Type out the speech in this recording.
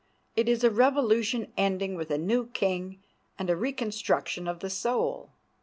It is a revolution ending with a new king, and a reconstruction of the soul.